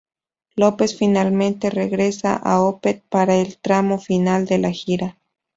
López finalmente regresa a Opeth para el tramo final de la gira.